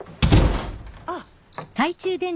あっ。